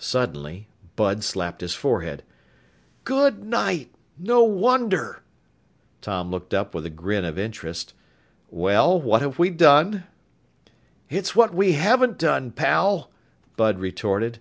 Suddenly Bud slapped his forehead. "Good night! No wonder!" Tom looked up with a grin of interest. "Well, what have we done?" "It's what we haven't done, pal!" Bud retorted.